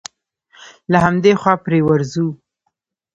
له همدې خوا پرې ورځو.